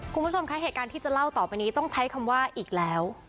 คุณผู้ชมคะเหตุการณ์ที่จะเล่าต่อไปนี้ต้องใช้คำว่าอีกแล้ว